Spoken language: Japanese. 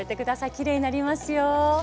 きれいになりますよ。